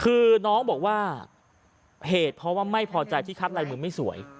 คือน้องบอกว่าเหตุเพราะว่าไม่พอใจที่คัดลายมือไม่สวย